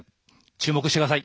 注目してください。